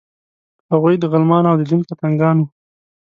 هغوی د غلمانو او د دین پتنګان وو.